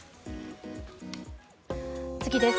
次です。